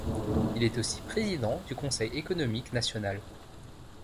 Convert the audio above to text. Il est aussi président du Conseil économique national.